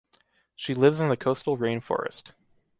She lives in the coastal rainforest.